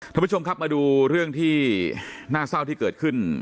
ท่านผู้ชมครับมาดูเรื่องที่น่าเศร้าที่เกิดขึ้น